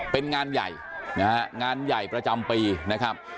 เป็นงานใหญ่นะฮะงานใหญ่ประจำปีนะครับ